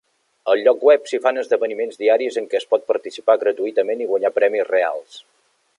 Al lloc web s'hi fan esdeveniments diaris en què es pot participar gratuïtament i guanyar premis reals.